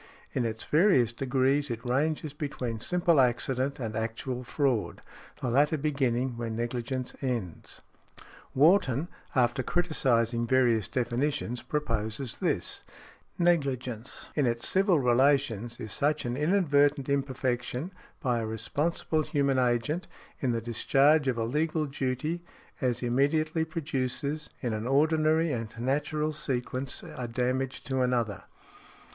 In its various degrees it ranges between simple accident and actual fraud, the latter beginning where negligence ends . Wharton, after criticising various definitions, proposes this, "Negligence, in its civil relations, is such an inadvertent imperfection, by a responsible human agent, in the discharge of a legal duty, as immediately produces, in an ordinary and natural sequence, a damage to another" .